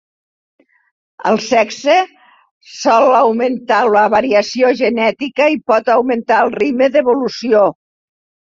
El sexe sol augmentar la variació genètica i pot augmentar el ritme d'evolució.